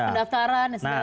untuk pendaftaran segala macam